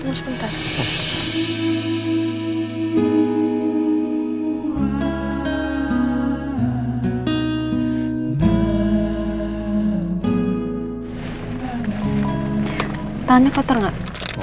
tangannya kotor nggak